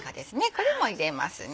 これも入れますね。